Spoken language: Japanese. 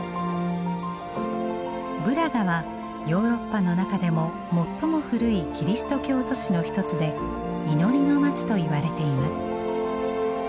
ブラガはヨーロッパの中でも最も古いキリスト教都市の一つで祈りの街と言われています。